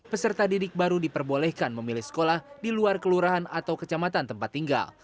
peserta didik baru diperbolehkan memilih sekolah di luar kelurahan atau kecamatan tempat tinggal